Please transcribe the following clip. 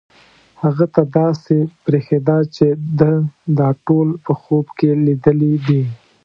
هغه ته داسې برېښېده چې ده دا ټول په خوب کې لیدلي دي.